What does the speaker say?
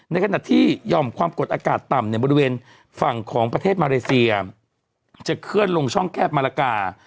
ในขณะที่หย่อมความกดอากาศต่ำในบริเวณฝั่งของประเทศมาเลเซียจะเคลื่อนลงช่องแคบมารกา